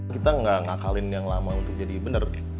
kita gak ngakalin yang lama untuk jadi benar